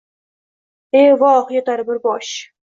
E, voh, yotar bir bosh